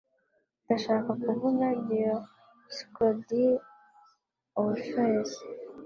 Ndashaka kuvuga Dioscoride Orpheus